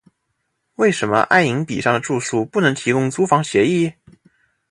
为什么爱迎彼上的住宿不能提供租房协议？